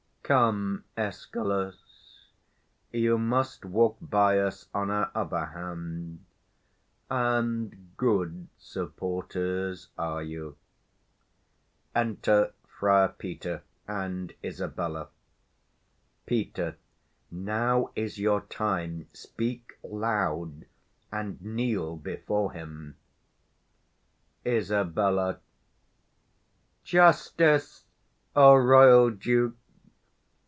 Come, Escalus; You must walk by us on our other hand: And good supporters are you. FRIAR PETER and ISABELLA come forward. Fri. P. Now is your time: speak loud, and kneel before him. Isab. Justice, O royal Duke!